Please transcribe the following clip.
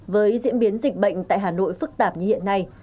với diễn biến dịch bệnh tại hà nội phức tạp như hiện nay